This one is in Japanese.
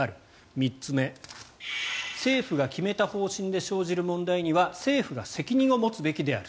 ３つ目、政府が決めた方針で生じる問題には政府が責任を持つべきである。